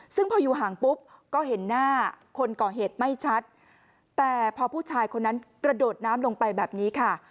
ซึ่งพออยู่ห่างปุ๊บก็เห็นหน้าคนก่อเหตุไม่ชัดแต่พอผู้ชายคนนั้นกระโดดน้ำลงไปแบบนี้ค่ะ